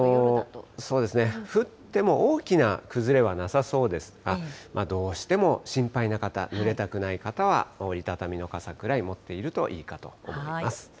降っても大きな崩れはなさそうですが、どうしても心配な方、ぬれたくない方は折り畳みの傘くらい持っているといいかと思います。